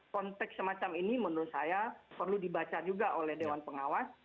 konteks semacam ini menurut saya perlu dibaca juga oleh dewan pengawas